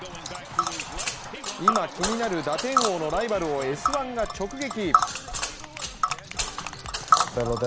今気になる打点王のライバルを「Ｓ☆１」が直撃。